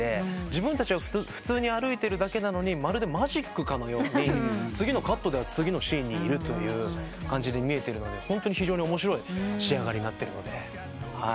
自分たちは普通に歩いてるだけなのにまるでマジックかのように次のカットでは次のシーンにいるという感じで見えているのでホントに非常に面白い仕上がりになっているので。